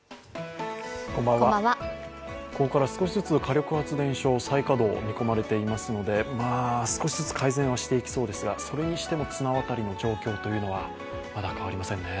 ここから少しずつ火力発電所、再稼働が見込まれていますので、少しずつ改善はしていきそうですが、それにしても綱渡りの状況というのはまだ変わりませんね。